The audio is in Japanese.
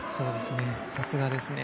さすがですね。